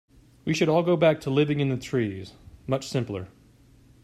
We should all go back to living in the trees, much simpler.